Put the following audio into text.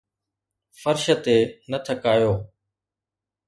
فرش تي نه ٿڪايو